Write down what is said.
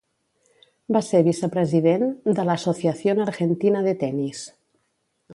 Va ser vicepresident de l'Associación Argentina de Tenis.